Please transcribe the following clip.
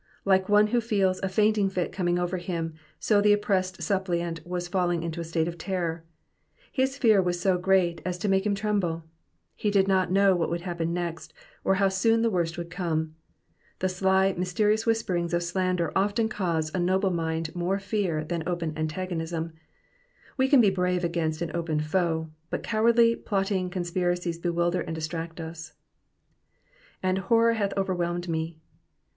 Like one who feels a fainting fit coming oirer him, so the oppressed suppliant was falling into a state of terror. His fear was so great as to make him tremble. He did not know what would happen next, or how soon the worst would come. The sly, mysterious whisperings of slander often cause a noble mind more fear than open antagonism ; we cun be brave against an open foe, but cowardly, plotting conspiracies bewilder and distract us. And horror hath overwhelmed tn^.'